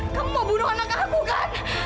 kamu mau bunuh anak kamu kan